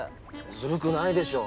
ずるくないでしょ。